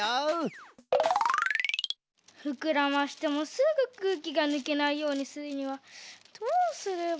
ふくらましてもすぐくうきがぬけないようにするにはどうすれば？